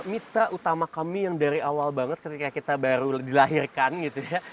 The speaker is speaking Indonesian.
mitra utama kami yang dari awal banget ketika kita baru dilahirkan gitu ya